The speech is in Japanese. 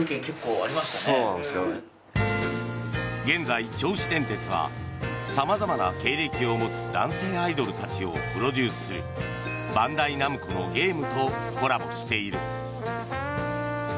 現在、銚子電鉄は様々な経歴を持つ男性アイドルたちをプロデュースするバンダイナムコのゲームとコラボしている。